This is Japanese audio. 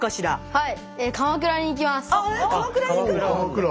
はい。